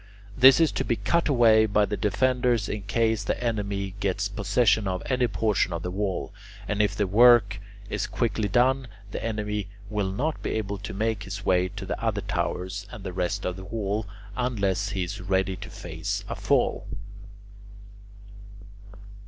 This is to be cut away by the defenders in case the enemy gets possession of any portion of the wall; and if the work is quickly done, the enemy will not be able to make his way to the other towers and the rest of the wall unless he is ready to face a fall.